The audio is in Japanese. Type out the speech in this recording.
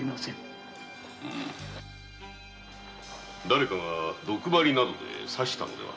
だれかが毒針などで刺したのでは？